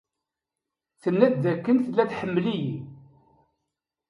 Tenna-d dakken tella tḥemmel-iyi.